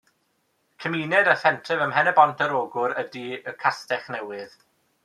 Cymuned a phentref ym Mhen-y-bont ar Ogwr ydy Y Castellnewydd.